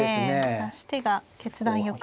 指し手が決断よく。